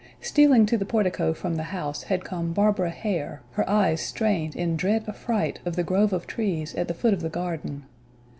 Stealing to the portico from the house had come Barbara Hare, her eyes strained in dread affright on the grove of trees at the foot of the garden.